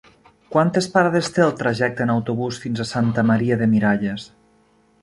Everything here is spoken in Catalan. Quantes parades té el trajecte en autobús fins a Santa Maria de Miralles?